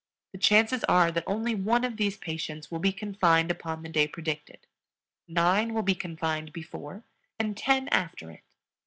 The chances are that only one of these patients will be confined upon the day predicted; nine will be confined before and ten after it.